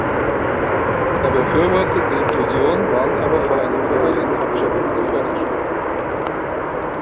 Er befürwortet die Inklusion, warnt aber vor einer voreiligen Abschaffung der Förderschulen.